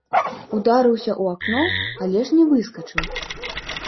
Ударыўся ў акно, але ж не выскачыў.